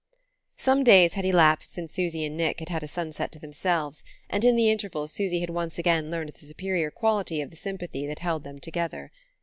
Some days had elapsed since Susy and Nick had had a sunset to themselves, and in the interval Susy had once again learned the superior quality of the sympathy that held them together.